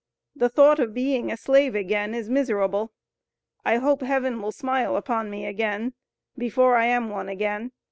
The thought of being a slave again is miserable. I hope heaven will smile upon me again, before I am one again.